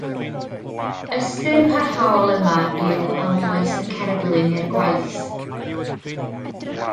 Ystyr parhaol yma yw am oes y cerflun neu'r gwaith.